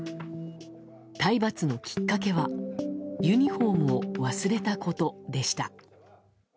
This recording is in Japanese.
体罰のきっかけはユニホームを忘れたことでした。